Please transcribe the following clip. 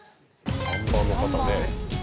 ３番の方ね。